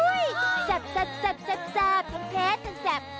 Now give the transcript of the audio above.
อุ้ยแซ่บแซ่บ